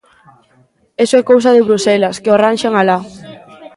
Iso é cousa de Bruxelas, que o arranxen alá.